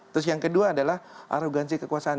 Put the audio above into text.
terus yang kedua adalah arogansi kekuasaan